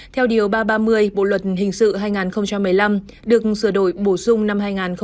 theo điều ba trăm ba mươi bộ luật hình sự hai nghìn một mươi năm được sửa đổi bổ sung năm hai nghìn một mươi bảy